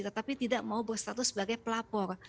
tetapi tidak mau berstatus sebagai pelapor